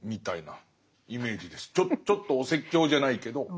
ちょっとお説教じゃないけど。